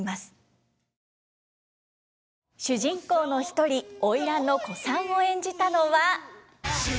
主人公の一人花魁の小さんを演じたのは。